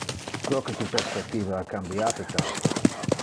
Proque tu perspectiva ha cambiate tanto?